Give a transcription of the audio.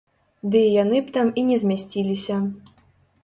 Ды й яны б там і не змясціліся.